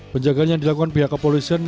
penjagaan yang dilakukan pihak kepolisian